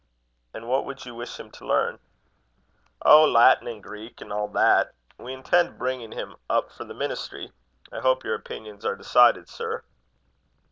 "And what would you wish him to learn?" "Oh! Latin and Greek, and all that. We intend bringing him up for the ministry. I hope your opinions are decided, sir?"